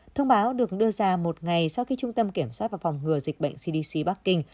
thông báo được đưa ra một ngày sau khi trung tâm kiểm soát và phòng ngừa dịch bệnh cdc bắc kinh